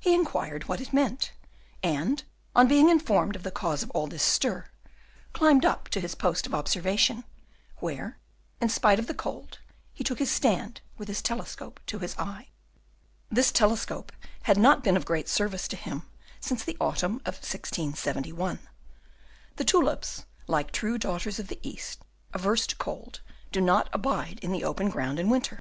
He inquired what it meant, and, on being informed of the cause of all this stir, climbed up to his post of observation, where in spite of the cold, he took his stand, with the telescope to his eye. This telescope had not been of great service to him since the autumn of 1671. The tulips, like true daughters of the East, averse to cold, do not abide in the open ground in winter.